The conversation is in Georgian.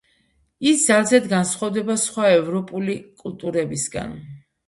ის ძალზედ განსხვავდება სხვა ევროპული კულტურებისგან.